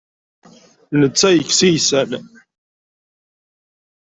Netta ikess iysan.